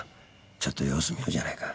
ちょっと様子見ようじゃないか。